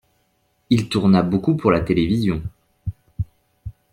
Il tourna beaucoup pour la télévision.